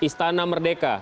di jalan merdeka